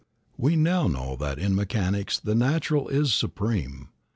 We now know that in mechanics the natural is supreme.